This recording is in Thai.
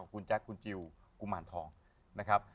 คุณแจ๊คคุณจิลกุมารทองนะครับ